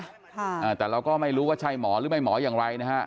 คือเขาเอ่ยชื่อหมอนะแต่เราก็ไม่รู้ว่าใช่หมอหรือไม่หมอยังไรนะฮะ